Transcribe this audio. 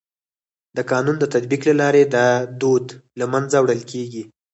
د قانون د تطبیق له لارې دا دود له منځه وړل کيږي.